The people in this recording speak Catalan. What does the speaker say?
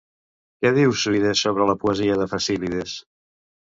Què diu Suides sobre la poesia de Focílides?